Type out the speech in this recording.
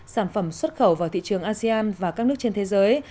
sản phẩm xuất khẩu vào thị trường asean và các nước trên thế giới